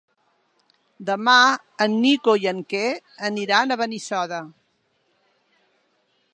Demà en Nico i en Quer aniran a Benissoda.